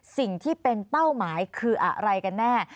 สิ่งที่เป็นเป้าหมายคืออะไรกันแน่